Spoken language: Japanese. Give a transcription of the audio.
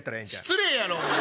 失礼やろ！